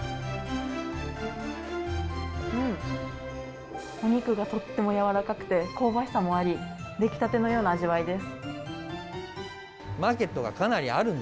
うん、お肉がとっても軟らかくて、香ばしさもあり、出来立てのような味わいです。